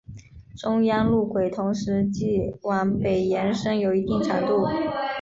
中央路轨同时亦往北延伸有一定长度。